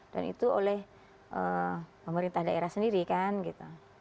dan itu oleh pemerintah daerah sendiri kan gitu